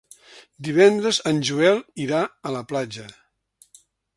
Divendres en Joel irà a la platja.